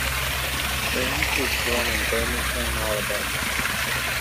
Raines was born in Birmingham, Alabama.